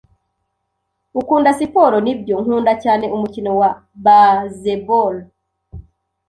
"Ukunda siporo?" "Nibyo, nkunda cyane umukino wa baseball."